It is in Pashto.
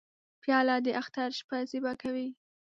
پیاله د اختر شپه زیبا کوي.